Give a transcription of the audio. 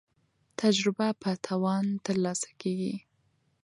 تجربه په تاوان ترلاسه کیږي.